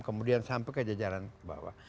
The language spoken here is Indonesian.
kemudian sampai ke jajaran bawah